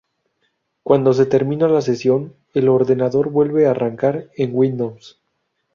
Cuando se termina la sesión, el ordenador vuelve a arrancar en "Windows".